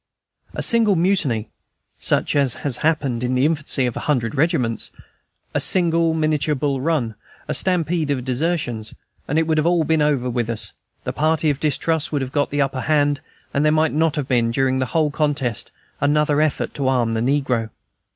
A single mutiny, such as has happened in the infancy of a hundred regiments, a single miniature Bull Run, a stampede of desertions, and it would have been all over with us; the party of distrust would have got the upper hand, and there might not have been, during the whole contest, another effort to arm the negro.